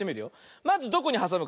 まずどこにはさむかってね